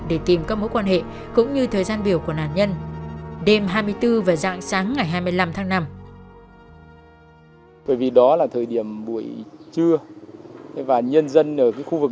để tìm các mối quan hệ cũng như thời gian biểu của nạn nhân